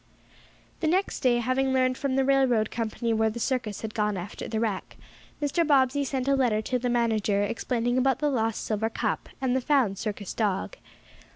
The next day, having learned from the railroad company where the circus had gone after the wreck, Mr. Bobbsey sent a letter to the manager, explaining about the lost silver cup, and the found circus dog.